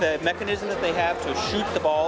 dengan mekanisme yang mereka miliki untuk menembak bola